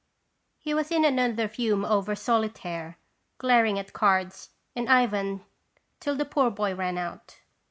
He was in another fume over solitaire, glar ing at cards and Ivan till the poor boy ran out.